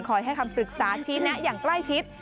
ให้คำปรึกษาชี้แนะอย่างใกล้ชิด